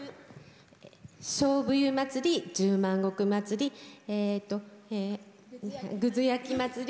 しょうぶ湯祭り十万石祭り、ぐずやき祭り。